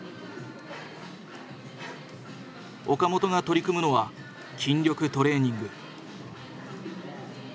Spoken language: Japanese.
岡本が取り組むのは筋力トレーニング。